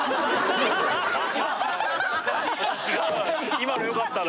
今のよかったな。